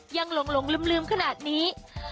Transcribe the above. หลงลืมขนาดนี้